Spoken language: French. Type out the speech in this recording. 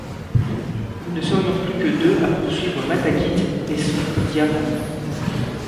Nous ne serions plus que deux à poursuivre Matakit et son diamant!...